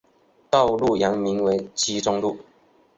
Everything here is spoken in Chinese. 道路原名为七中路。